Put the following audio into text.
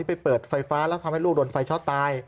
ไปเปิดไฟฟ้าแล้วทำให้ลูกโดนไฟช็อตตาย